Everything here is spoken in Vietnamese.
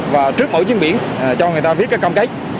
và trước mỗi chuyến biển cho người ta viết các cam kết